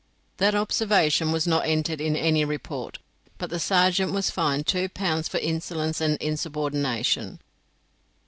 That observation was not entered in any report, but the sergeant was fined 2 pounds for "insolence and insubordination."